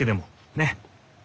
ねっ！